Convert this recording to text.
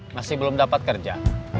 masih belum dapat kerja